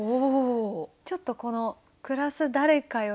ちょっとこの「暮らす誰かよ